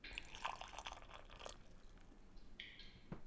汉倭奴国王印是东汉光武帝颁授给其属国倭奴国的一枚金制王印。